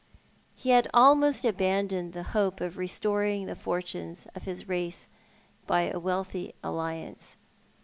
He had almost abandoned the hope of restoring the fortunes of his race by a wealthy alliance.